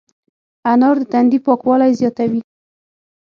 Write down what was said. انار د تندي پاکوالی زیاتوي.